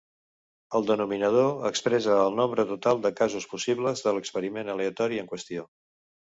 El denominador expressa el nombre total de casos possibles de l'experiment aleatori en qüestió.